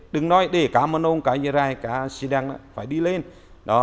đừng nói để cả manon cả nha rai cả xi đăng phải đi lên